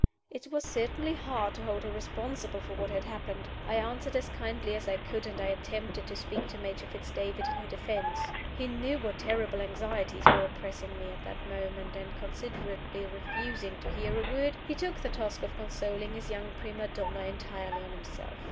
It was certainly hard to hold her responsible for what had happened. I answered as kindly as I could, and I attempted to speak to Major Fitz David in her defense. He knew what terrible anxieties were oppressing me at that moment; and, considerately refusing to hear a word, he took the task of consoling his young prima donna entirely on himself.